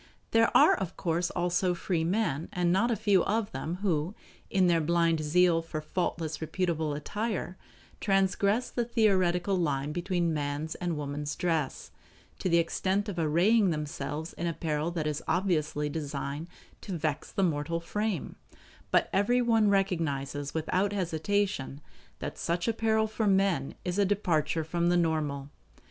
There are of course also free men, and not a few of them, who, in their blind zeal for faultless reputable attire, transgress the theoretical line between man's and woman's dress, to the extent of arraying themselves in apparel that is obviously designed to vex the mortal frame; but everyone recognizes without hesitation that such apparel for men is a departure from the normal.